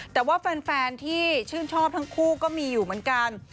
แต่ว่าแฟนที่ชื่นชอบทั้งคู่ก็มีอยู่เหมือนกัน